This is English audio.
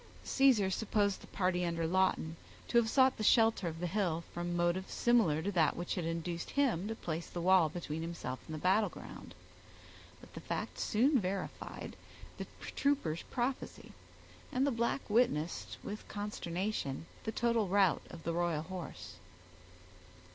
Caesar supposed the party under Lawton to have sought the shelter of the hill from motives similar to that which had induced him to place the wall between himself and the battle ground; but the fact soon verified the trooper's prophecy, and the black witnessed with consternation the total rout of the royal horse.